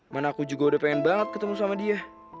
mana aku juga udah pengen banget ketemu sama dia